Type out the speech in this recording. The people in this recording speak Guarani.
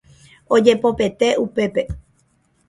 Ojepopete upépe.